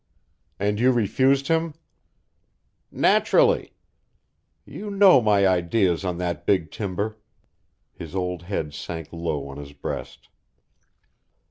"And you refused him?" "Naturally. You know my ideas on that big timber." His old head sank low on his breast.